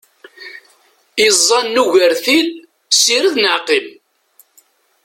Iẓẓan n ugertil, sired neɣ qqim!